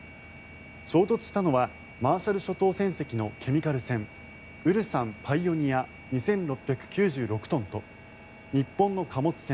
衝突したのはマーシャル諸島船籍のケミカル船「ウルサンパイオニア」２６９６トンと日本の貨物船